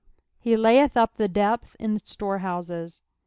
lie layeth vp the depth in tlorehoiuet."